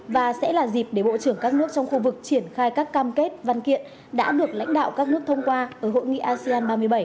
và sẽ là dịp để bộ trưởng các nước trong khu vực triển khai các cam kết văn kiện đã được lãnh đạo các nước thông qua ở hội nghị asean ba mươi bảy